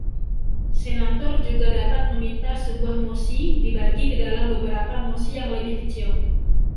Senator juga dapat meminta sebuah mosi dibagi ke dalam beberapa mosi yang lebih kecil.